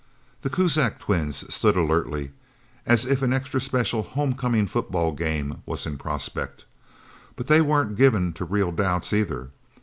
The Kuzak twins stood alertly, as if an extra special homecoming football game was in prospect. But they weren't given to real doubts, either.